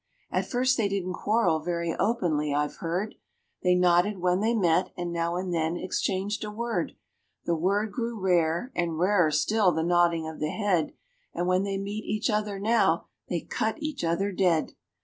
At first they didn't quarrel very openly, I've heard; They nodded when they met, and now and then exchanged a word: The word grew rare, and rarer still the nodding of the head, And when they meet each other now, they cut each other dead.